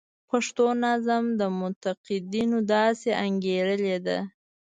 پښتو نظم منتقدینو داسې انګیرلې ده.